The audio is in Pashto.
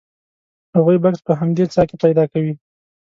هغوی بکس په همدې څاه کې پیدا کوي.